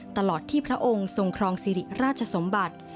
ตลอดที่พระองค์ทรงครองสิริราชสมบัติ